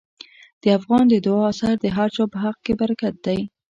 د افغان د دعا اثر د هر چا په حق کې برکت دی.